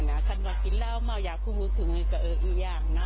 ไม่ควรสัมผ่าอยู่เกงหลานเนอะ